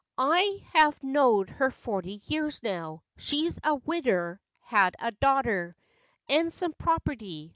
I have know'd her forty years now; She's a widder; had a darter, And some property.